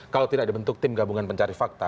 kalau tidak dibentuk tim gabungan pencari fakta